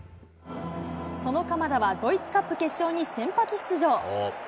その鎌田は、ドイツカップ決勝に先発出場。